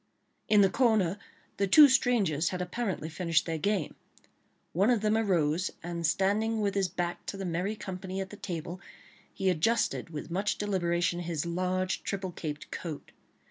In the corner the two strangers had apparently finished their game; one of them arose, and standing with his back to the merry company at the table, he adjusted with much deliberation his large triple caped coat.